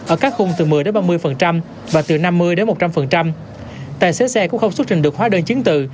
ở các khung từ một mươi ba mươi và từ năm mươi một trăm linh tài xế xe cũng không xuất trình được hóa đơn chứng từ